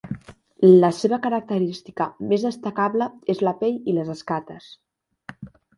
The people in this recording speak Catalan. La seva característica més destacable és la pell i les escates.